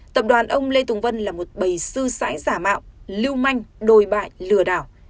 tập đoàn ông lê tùng vân là một bầy sư sãi giả mạo lưu manh đồi bại lừa đảo